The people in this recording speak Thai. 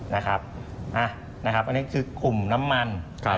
นะครับอันนี้คือกลุ่มน้ำมันครับ